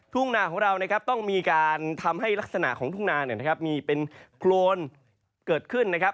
ทุ่งนาของเรานะครับต้องมีการทำให้ลักษณะของทุ่งนาเนี่ยนะครับมีเป็นโครนเกิดขึ้นนะครับ